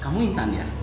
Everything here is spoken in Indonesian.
kamu intan ya